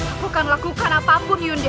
aku akan lakukan apapun yunda